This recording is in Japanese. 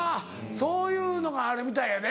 そういうのがあるみたいやで。